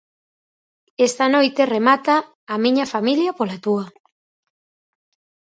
Esta noite remata "A miña familia pola túa".